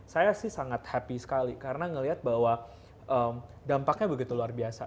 saya sih sangat happy sekali karena melihat bahwa dampaknya begitu luar biasa